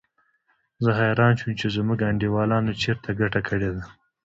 زه حیران شوم چې زموږ انډیوالانو چېرته ګټه کړې ده.